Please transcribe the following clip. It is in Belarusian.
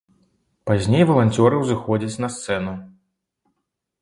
Пазней валанцёры ўзыходзяць на сцэну.